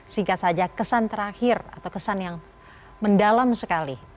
singkat saja kesan terakhir atau kesan yang mendalam sekali